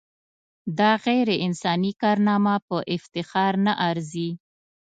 دا غیر انساني کارنامه په افتخار نه ارزي.